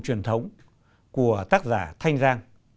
truyền thống của tác giả thanh giang